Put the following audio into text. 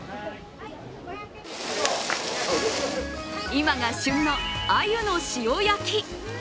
今が旬のあゆの塩焼き。